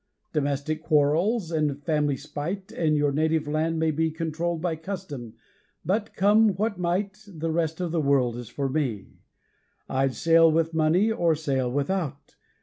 Domestic quarrels, and family spite, And your Native Land may be Controlled by custom, but, come what might, The rest of the world for me. I'd sail with money, or sail without!